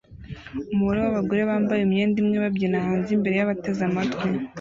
Umubare wabagore bambaye imyenda imwe babyina hanze imbere yabateze amatwi